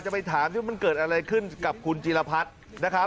จะไปถามว่ามันเกิดอะไรขึ้นกับคุณจีรพัฒน์